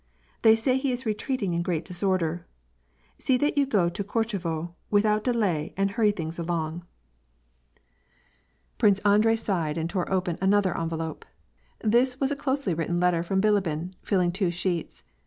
They say he is retreating in great disorder. See that you go to Korchevo without delay and hurry tmnga along. T0U2.— 7. 98 WAR AI^D PEACE. Prince Andrei sighed and tore open another envelope. This was a closely written letter from Bilibin, filling two sheets.